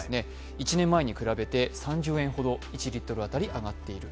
１年前に比べて３０円ほど１リットル当たり上がっていると。